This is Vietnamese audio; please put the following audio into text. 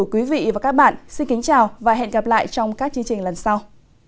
quý vị và các bạn xin kính chào và hẹn gặp lại trong các chương trình lần sau